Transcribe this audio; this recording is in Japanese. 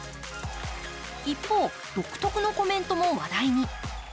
一方、独特のコメントも話題に。